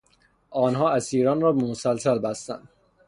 آنها اسیران را به مسلسل بستند.